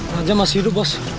raja masih hidup bos